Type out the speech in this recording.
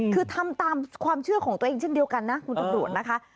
คือทำตามความเชื่อของตัวเองเช่นเดียวกันนะคุณตำรวจนะคะ